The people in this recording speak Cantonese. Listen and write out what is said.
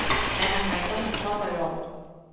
你係咪都唔多對路